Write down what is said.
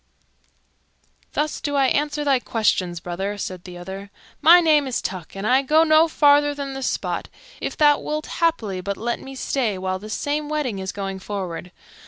"Thus do I answer thy questions, brother," said the other. "My name is Tuck, and I go no farther than this spot, if thou wilt haply but let me stay while this same wedding is going forward.